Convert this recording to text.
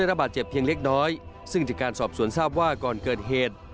ระบาดเจ็บเพียงเล็กน้อยซึ่งจากการสอบสวนทราบว่าก่อนเกิดเหตุ